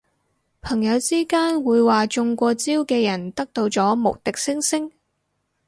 朋友之間會話中過招嘅人得到咗無敵星星